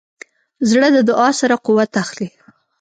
زړه د دعا سره قوت اخلي.